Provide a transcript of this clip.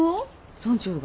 村長が？